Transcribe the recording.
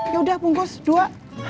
yaudah bungkus dua